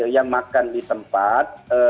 yang makan di tempat